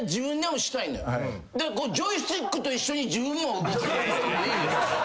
だからジョイスティックと一緒に自分も動く。